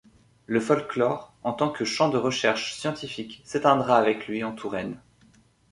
Le folklore, en tant que champ de recherche scientifique, s'éteindra avec lui en Touraine.